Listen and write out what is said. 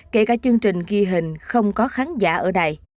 kể cả chương trình ghi hình không có khán giả ở đây